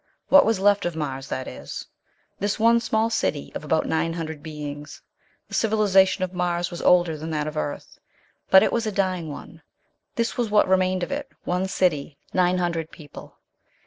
What was left of Mars, that is; this one small city of about nine hundred beings. The civilization of Mars was older than that of Earth, but it was a dying one. This was what remained of it: one city, nine hundred people.